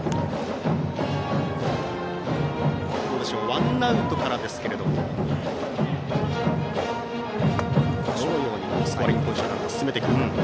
ワンアウトからですけれどもどのようにスコアリングポジションに進めてくるか。